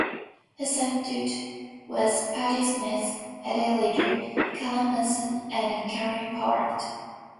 He sang duets with Patti Smith, Eddi Reader, Karen Matheson and Karine Polwart.